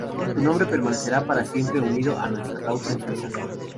Tu nombre permanecerá para siempre unido a nuestra causa en Suiza.